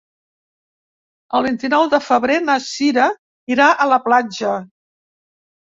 El vint-i-nou de febrer na Sira irà a la platja.